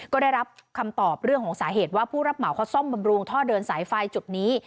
ก็ได้รับคำตอบเรื่องของสาเหตุว่าผู้รับเหมาเขาซ่อมบำรุงท่อเดินสายไฟจุดนี้